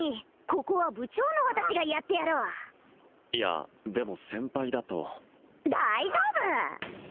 ここは部長の私がやってやろういやでも先輩だと大丈夫！